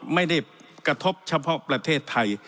ไม่ได้กระทบเฉพาะประเทศไทย